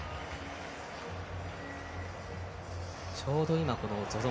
ちょうど今ＺＯＺＯ